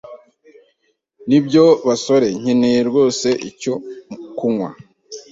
Nibyo basore, nkeneye rwose icyo kunywa.